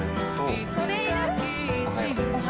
いつかキッチンを